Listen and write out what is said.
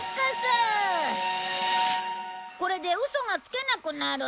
これでウソがつけなくなる。